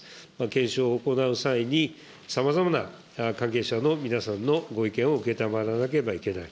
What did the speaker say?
検証行う際にさまざまな関係者の皆さんのご意見を承らなければならない。